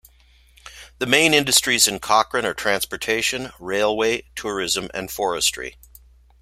The main industries in Cochrane are transportation, railway, tourism, and forestry.